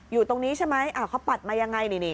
อยู่ตรงนี้ใช่ไหมเขาปัดมายังไงนี่